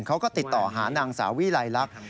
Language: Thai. เขาก็ติดต่อหานางสาวีใรรัก